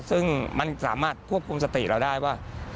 ซึ่งมันสามารถควบคุมสติเราได้ว่า